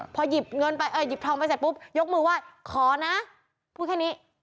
พอหยิบเงินไปเออหยิบทองไปเสร็จปุ๊บยกมือไหว้ขอนะพูดแค่นี้